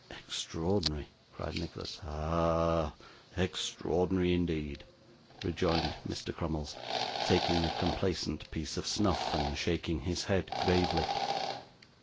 'Extraordinary!' cried Nicholas. 'Ah! extraordinary indeed,' rejoined Mr. Crummles, taking a complacent pinch of snuff, and shaking his head gravely.